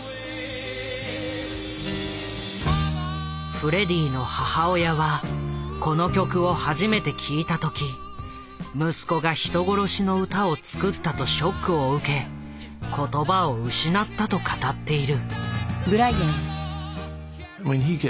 フレディの母親はこの曲を初めて聴いた時息子が人殺しの歌をつくったとショックを受け言葉を失ったと語っている。